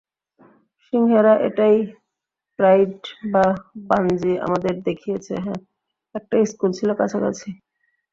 সিংহেরা এটাই প্রাইড যা বাঞ্জি আমাদের দেখিয়েছে হ্যাঁ, একটা স্কুল ছিল কাছাকাছি।